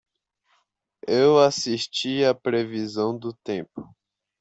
Eu assisti a previsão do tempo.